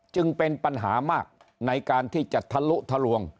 จึงเป็นปัญหามากในการที่จะทะลุทะลวง